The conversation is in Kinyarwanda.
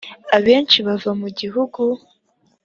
abenshi bava mu gihugu .